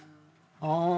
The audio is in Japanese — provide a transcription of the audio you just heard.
ああ。